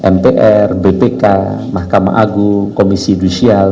mpr bpk mahkamah agung komisi judisial